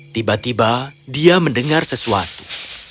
tiba tiba dia mendengar sesuatu